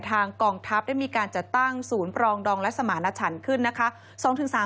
กองทัพได้มีการจัดตั้งศูนย์ปรองดองและสมาณฉันขึ้นนะคะ